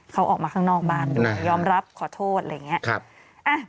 เขาออกมาข้างนอกบ้านด้วยยอมรับขอโทษอะไรอย่างนี้